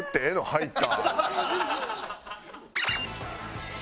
入った？